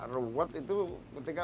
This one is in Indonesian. reward itu ketika